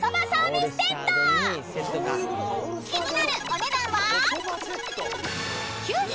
［気になるお値段は］